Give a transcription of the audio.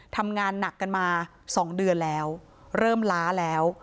ทำงานหนักกันมา๒เดือนแล้วเริ่มล้าแล้ว